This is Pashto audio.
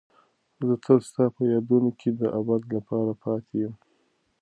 زه تل ستا په یادونو کې د ابد لپاره پاتې یم.